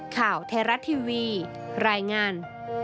ข่าวไทยรัฐทีวีรายงาน